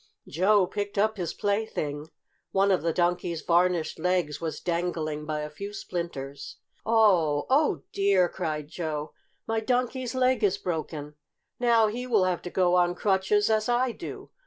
Joe picked up his plaything. One of the Donkey's varnished legs was dangling by a few splinters. "Oh! Oh, dear!" cried Joe. "My Donkey's leg is broken! Now he will have to go on crutches as I do!